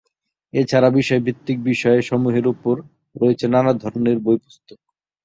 এছাড়া বিষয়ভিত্তিক বিষয় সমুহের উপর রয়েছে নানান ধরনের বই পুস্তক।